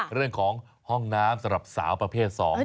เรื่องของห้องน้ำสำหรับสาวประเภท๒